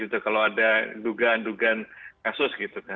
itu juga andungan kasus